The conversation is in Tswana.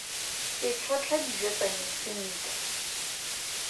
Ke tšhotlha dijo tsa me sentle.